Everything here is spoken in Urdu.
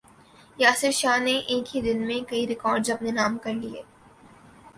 یاسر شاہ نے ایک ہی دن میں کئی ریکارڈز اپنے نام کر لیے